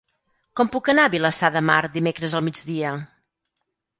Com puc anar a Vilassar de Mar dimecres al migdia?